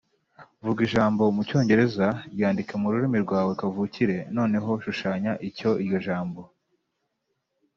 Vuga ijambo mu Cyongereza Ryandike mu rurimi rwawe kavukire Noneho shushanya icyo iryo jambo